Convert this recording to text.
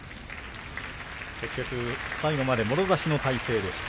結局、最後までもろ差しの体勢でした。